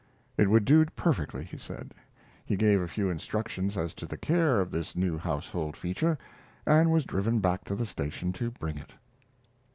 It would do perfectly, he said. He gave a few instructions as to the care of this new household feature, and was driven back to the station to bring it.